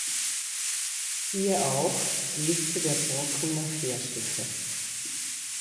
Siehe auch: Liste der Borkumer Fährschiffe